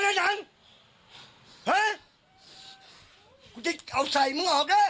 เดี๋ยว